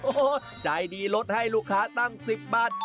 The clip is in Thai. โอ้โหใจดีลดให้ลูกค้าตั้ง๑๐บาท